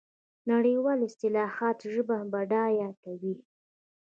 نړیوالې اصطلاحات ژبه بډایه کوي.